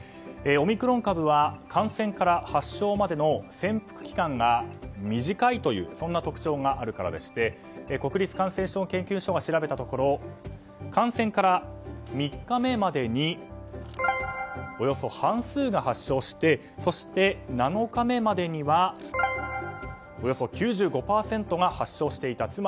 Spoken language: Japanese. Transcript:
オミクロン株は感染から発症までの潜伏期間が短いという特徴があるからでして国立感染症研究所が調べたところ感染から３日目までにおよそ半数が発症してそして７日目までにはおよそ９５％が発症していた。